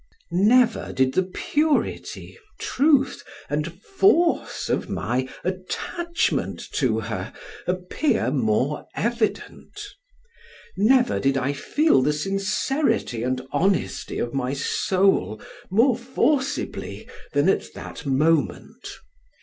Never did the purity, truth and force of my attachment to her appear more evident; never did I feel the sincerity and honesty of my soul more forcibly, than at that moment.